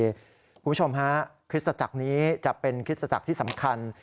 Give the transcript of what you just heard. คุณผู้ชมฮะคริสตจักรนี้จะเป็นคริสตจักรที่สำคัญ